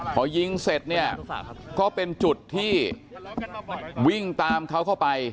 พอยิงเสร็จเนี่ยก็เป็นจุดที่วิ่งตามเขาเข้าไป